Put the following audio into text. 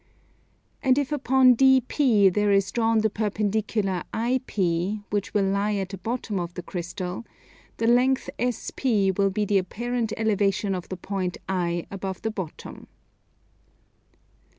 And if upon DP there is drawn the perpendicular IP, which will lie at the bottom of the crystal, the length SP will be the apparent elevation of the point I above the bottom.